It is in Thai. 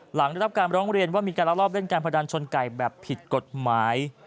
หลังได้รับการร้องเรียนว่ามีการลักลอบเล่นการพนันชนไก่แบบผิดกฎหมาย